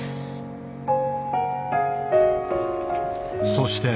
そして。